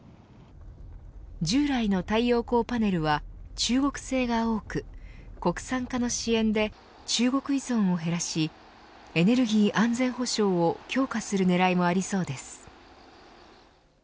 従来の太陽光パネルは中国製が多く国産化の支援で中国依存を減らしエネルギー安全保障を強化する狙いもありそうです。